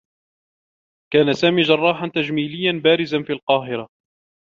كان سامي جرّاحا تجميليّا بارزا في القاهرة.